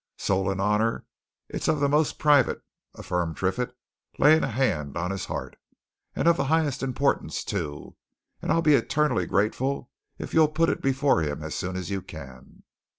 "Soul and honour, it's of the most private!" affirmed Triffitt, laying a hand on his heart. "And of the highest importance, too, and I'll be eternally grateful if you'll put it before him as soon as you can."